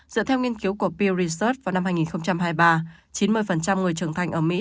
dựa theo nghiên cứu của peresus vào năm hai nghìn hai mươi ba chín mươi người trưởng thành ở mỹ